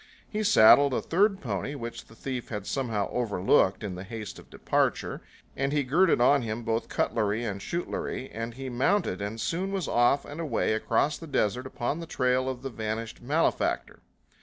He saddled a third pony which the thief had somehow overlooked in the haste of departure, and he girded on him both cutlery and shootlery, and he mounted and soon was off and away across the desert upon the trail of the vanished malefactor.